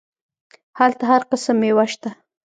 هلته هر قسم ميوه سته.